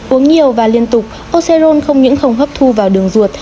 uống nhiều và liên tục oceron không những không hấp thu vào đường ruột